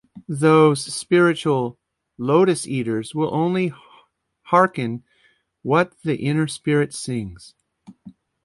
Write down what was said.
Those spiritual lotus-eaters will only hearken what the inner spirit sings.